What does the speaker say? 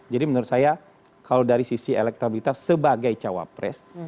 jadi menurut saya kalau dari sisi elektabilitas sebagai cawapres